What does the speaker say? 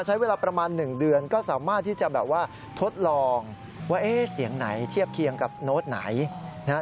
ใช้เวลาประมาณ๑เดือนก็สามารถที่จะแบบว่าทดลองว่าเอ๊ะเสียงไหนเทียบเคียงกับโน้ตไหนนะครับ